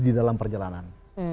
di dalam perjalanan